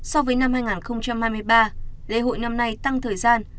so với năm hai nghìn hai mươi ba lễ hội năm nay tăng thời gian